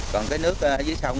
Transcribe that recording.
còn cái nước dưới sông